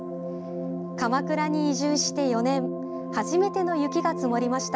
鎌倉に移住して４年初めての雪が積もりました。